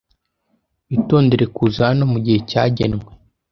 Witondere kuza hano mugihe cyagenwe.